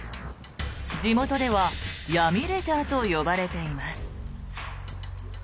地元では闇レジャーと呼ばれています。